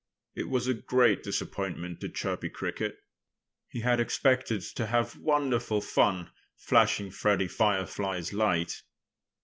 It was a great disappointment to Chirpy Cricket. He had expected to have wonderful fun, flashing Freddie Firefly's light.